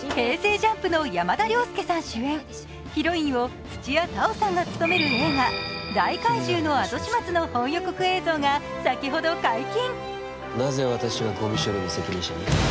ＪＵＭＰの山田涼介さん主演、ヒロインを土屋太鳳さんが務める映画「大怪獣のあとしまつ」の本予告映像が先ほど解禁。